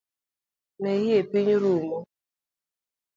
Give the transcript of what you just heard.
Mayie piny rumo